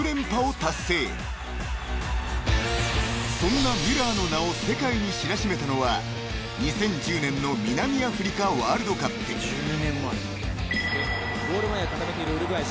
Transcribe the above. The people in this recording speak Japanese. ［そんなミュラーの名を世界に知らしめたのは２０１０年の南アフリカワールドカップ］ゴール前を固めているウルグアイ。